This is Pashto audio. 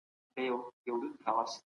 حقوقپوهان څنګه د ښځو حقونه خوندي ساتي؟